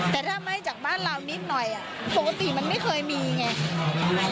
แต่ถ้าไหม้จากบ้านเรานิดหน่อยปกติมันไม่เคยมีไง